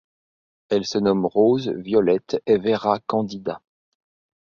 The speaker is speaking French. Elles se nomment Rose, Violette et Vera Candida.